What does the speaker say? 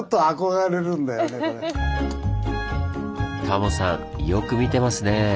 タモさんよく見てますね。